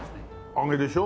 揚げでしょ？